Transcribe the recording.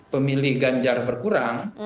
pemilih ganjar berkurang